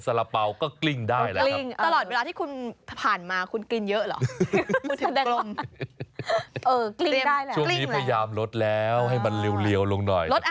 สารเปล่าไส้คั่วกลิ้ง